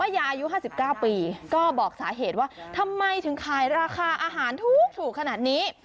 อายุ๕๙ปีก็บอกสาเหตุว่าทำไมถึงขายราคาอาหารถูกขนาดนี้